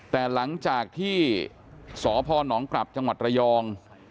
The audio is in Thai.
แต่หลังจากที่สพนกลับจังหวัดระยอง